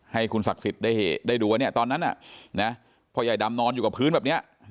ให้คุณศักดิ์สิทธิ์ได้ดูว่าตอนนั้นพ่อใหญ่ดำนอนอยู่กับพื้นแบบนี้